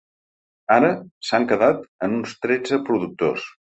Ara, s’han quedat en uns tretze productors.